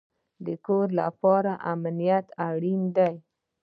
د کور لپاره امنیت اړین دی